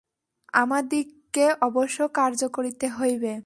আমাদিগকে অবশ্য কার্য করিতে হইবে।